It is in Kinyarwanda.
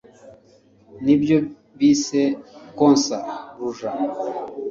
ni byo bise konsa ruja